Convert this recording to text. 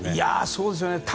そうですよね。